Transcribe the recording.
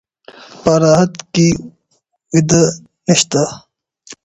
په راحت کې وده نشته.